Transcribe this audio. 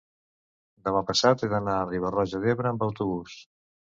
demà passat he d'anar a Riba-roja d'Ebre amb autobús.